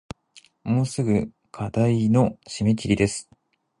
もうすぐ課題の締切です